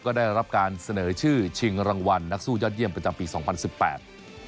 ก็ได้รับการเสนอชื่อชิงรางวัลนักสู้ยอดเยี่ยมประจำปีสองพันสิบแปด